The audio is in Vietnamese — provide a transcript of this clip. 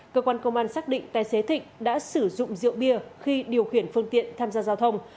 cơ quan công an xác định tài xế thịnh đã sử dụng rượu bia khi điều khiển phương tiện tham gia giao thông